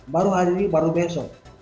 baru hari ini baru besok